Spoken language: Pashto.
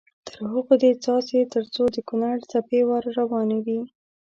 تر هغو دې څاڅي تر څو د کونړ څپې ور روانې وي.